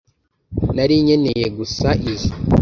Nari nkeneye gusa izoi.